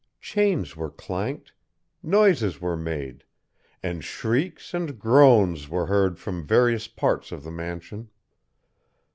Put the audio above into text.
Chains were clanked, noises were made, and shrieks and groans were heard from various parts of the mansion.